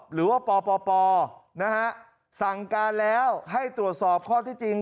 หรือว่าปปนะฮะสั่งการแล้วให้ตรวจสอบข้อที่จริง